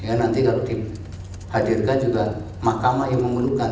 nanti kalau dihadirkan juga mahkamah yang membutuhkan